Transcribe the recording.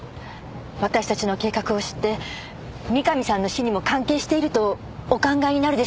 私たちの計画を知って三上さんの死にも関係しているとお考えになるでしょうね。